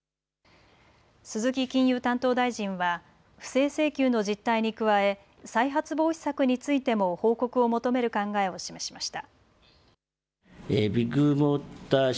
鈴木金融担当大臣は不正請求の実態に加え再発防止策についても報告を求める考えを示しました。